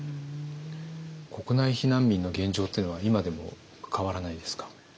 国内避難民の現状っていうのは今でも変わらないですか？